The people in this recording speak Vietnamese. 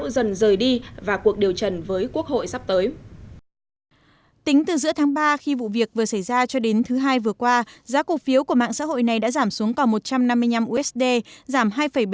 tính từ giữa tháng ba khi vụ việc vừa xảy ra cho đến thứ hai vừa qua giá cổ phiếu của mạng xã hội này đã giảm xuống còn một trăm năm mươi năm usd giảm hai bảy